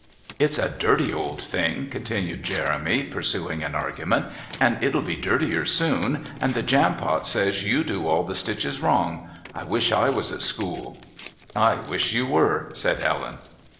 "It's a dirty old thing," continued Jeremy, pursuing an argument, "and it'll be dirtier soon, and the Jampot says you do all the stitches wrong. I wish I was at school." "I wish you were," said Helen.